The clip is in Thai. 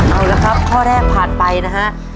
เอาละครับข้อแรกผ่านไปนะฮะ